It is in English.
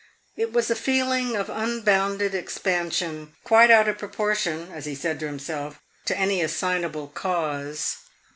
It was a feeling of unbounded expansion, quite out of proportion, as he said to himself, to any assignable cause.